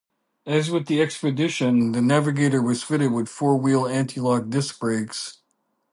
As with the Expedition, the Navigator was fitted with four-wheel anti-lock disc brakes.